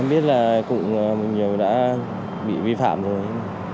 em biết là cũng nhiều đã bị vi phạm rồi